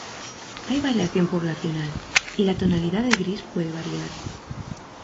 Hay variación poblacional, y la tonalidad de gris puede variar.